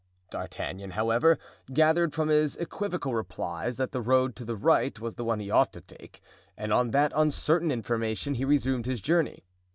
D'Artagnan, however, gathered from his equivocal replies that the road to the right was the one he ought to take, and on that uncertain information he resumed his journey.